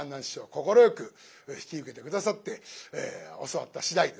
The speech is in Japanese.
快く引き受けて下さって教わった次第です。